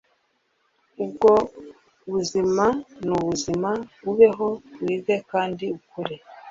ubwo buzima nubuzima .. ubeho, wige kandi ukure